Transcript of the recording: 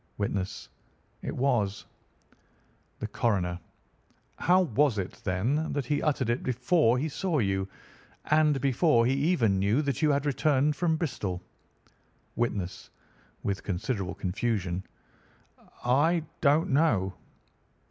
"Witness: It was. "The Coroner: How was it, then, that he uttered it before he saw you, and before he even knew that you had returned from Bristol? "Witness (with considerable confusion): I do not know.